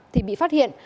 thì bị phát hiện